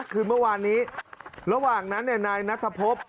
คืนเมื่อวานนี้ระหว่างนั้นนายนัทพบ